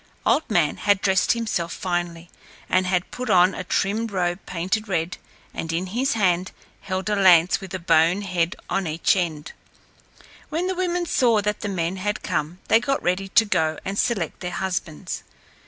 Old Man had dressed himself finely, and had put on a trimmed robe painted red, and in his hand held a lance with a bone head on each end. When the women saw that the men had come they got ready to go and select their husbands.